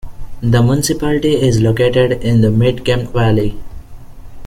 The municipality is located in the mid-Kempt valley.